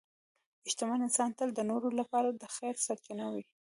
شتمن انسان تل د نورو لپاره د خیر سرچینه وي.